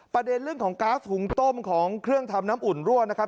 ประเด็นเรื่องของก๊าซหุงต้มของเครื่องทำน้ำอุ่นรั่วนะครับ